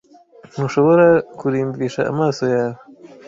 ntushobora kurimbisha amaso yawe